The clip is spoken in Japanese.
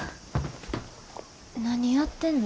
何やってんの？